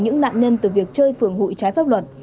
những nạn nhân từ việc chơi phường hụi trái pháp luật